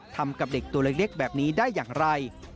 ทำกับเด็กตัวเล็กแบบนี้ได้อย่างไร